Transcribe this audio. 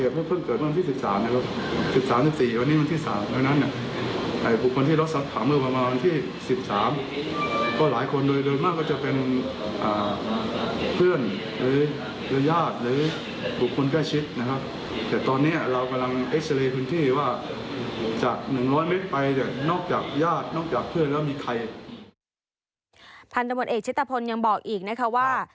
พันธมติเอกชิตภนยังบอกอีกนะครับว่า